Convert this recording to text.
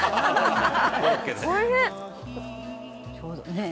「ねえ。